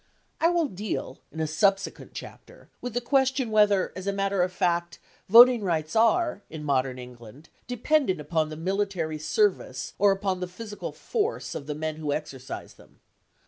I will deal in a subsequent chapter with the question whether, as a matter of fact, voting rights are, in modern England, dependent upon the military service or upon the physical force of the men who exercise them.